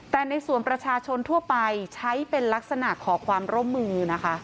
แต่ในส่วนประชาชนทั่วไปใช้เป็นลักษณะขอความร่วมมือนะคะ